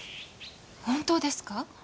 本当ですか？